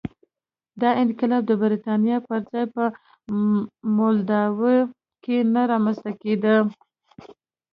دا انقلاب د برېټانیا پر ځای په مولداوي کې نه رامنځته کېده.